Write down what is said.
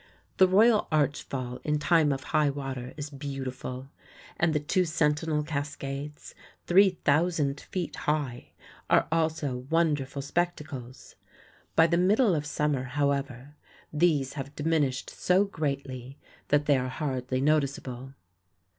The Royal Arch Fall in time of high water is beautiful; and the Two Sentinel Cascades, 3,000 feet high, are also wonderful spectacles. By the middle of summer, however, these have diminished so greatly that they are hardly noticeable.